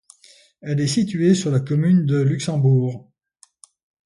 Elle est située sur la commune de Luxembourg.